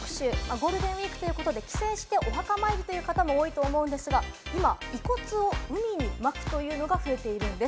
ゴールデンウイークということで、帰省してお墓参りという方も多いと思うんですが、今、遺骨を海に撒くというのが増えてきているようです。